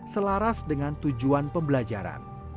selaras dengan tujuan pembelajaran